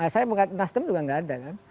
saya mengatakan nasdem juga enggak ada kan